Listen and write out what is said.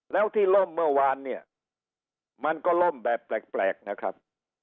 แล้วที่ล่มเมื่อวานเนี่ยมันก็ล่มแบบแปลกนะครับ